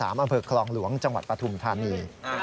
อำเภอคลองหลวงจังหวัดปฐุมธานี